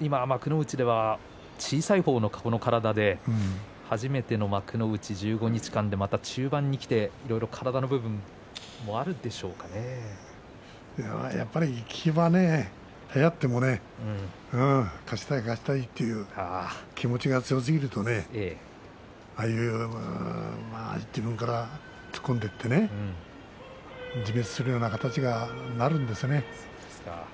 今、幕内では小さい方の体で初めての幕内１５日間でもあった、中盤にきていろいろ体の部分もやっぱり勝ちたい勝ちたいという気持ちが強すぎるとね自分から突っ込んでいってね自滅するような形になるんですよね。